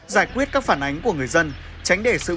giải quyết các phản ánh của người dân có ảnh hưởng